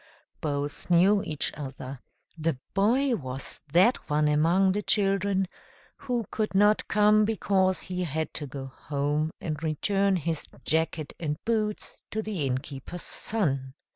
Both knew each other: the boy was that one among the children who could not come because he had to go home and return his jacket and boots to the innkeeper's son.